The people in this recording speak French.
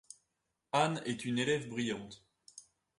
Anne est une élève brillante.